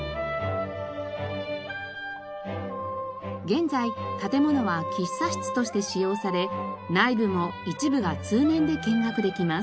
現在建物は喫茶室として使用され内部も一部が通年で見学できます。